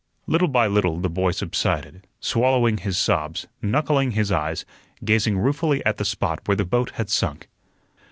Little by little the boy subsided, swallowing his sobs, knuckling his eyes, gazing ruefully at the spot where the boat had sunk.